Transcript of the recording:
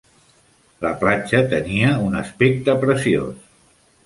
La platja tenia un aspecte preciós.